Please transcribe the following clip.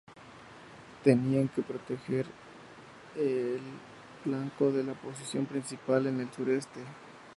Tenían que proteger el flanco de la posición principal en el sureste.